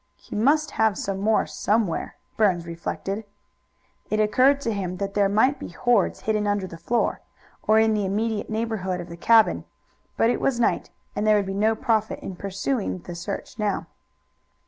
"He must have some more somewhere," Burns reflected. It occurred to him that there might be hoards hidden under the floor, or in the immediate neighborhood of the cabin. But it was night, and there would be no profit in pursuing the search now.